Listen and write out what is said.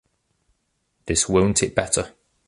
This won't it better